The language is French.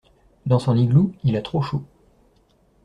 Dans son igloo, il a trop chaud.